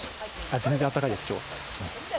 全然あったかいです、きょう。